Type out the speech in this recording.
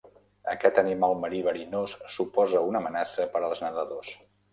Aquest animal marí verinós suposa una amenaça per als nedadors.